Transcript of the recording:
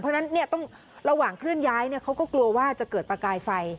เพราะฉะนั้นเนี่ยต้องระหว่างเคลื่อนย้ายเนี่ยเขาก็กลัวว่าจะเกิดประกายไฟ